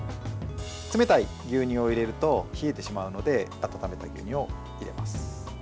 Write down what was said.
冷たい牛乳を入れると冷えてしまうので温めた牛乳を入れます。